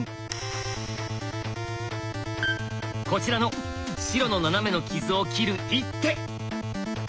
こちらの白のナナメの傷を切る一手。